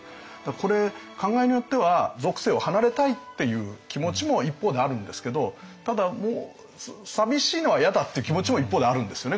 これ考えようによっては俗世を離れたいっていう気持ちも一方であるんですけどただ寂しいのは嫌だっていう気持ちも一方であるんですよね